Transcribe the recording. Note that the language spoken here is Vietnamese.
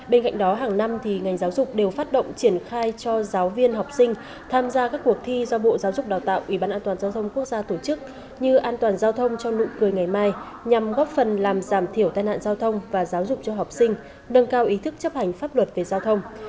bên cạnh đó hàng năm ngành giáo dục đều phát động triển khai cho giáo viên học sinh tham gia các cuộc thi do bộ giáo dục đào tạo ủy ban an toàn giao thông quốc gia tổ chức như an toàn giao thông cho nụ cười ngày mai nhằm góp phần làm giảm thiểu tai nạn giao thông và giáo dục cho học sinh nâng cao ý thức chấp hành pháp luật về giao thông